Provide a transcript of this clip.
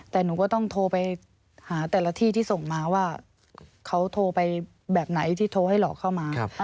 แต่หนูก็ต้องโทรไปหาแต่ละที่ที่ส่งมาว่าเขาโทรไปแบบไหนที่โทรให้หลอกเข้ามา